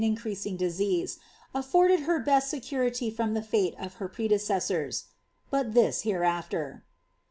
'29 ^e»t\il increasing disease^ afforded lier best security from the fate of \«t pteUecessors. But of this hereaAer.